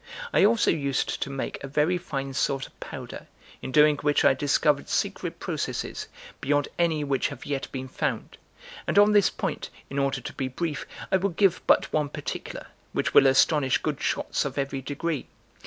I also used to make a very fine sort of powder, in doing which I discovered secret processes, beyond any which have yet been found; and on this point, in order to be brief, I will give but one particular, which will astonish good shots of every degree.